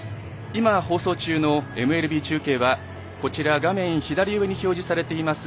今、放送中のＭＬＢ中継は画面左上に表示されています